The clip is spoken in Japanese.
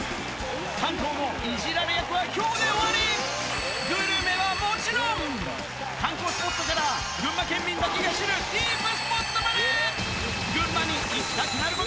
関東のイジられ役は今日で終わりグルメはもちろん観光スポットから群馬県民だけが知るディープスポットまで！